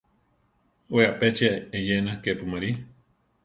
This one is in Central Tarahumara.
We apéchia eyéna kepu marí.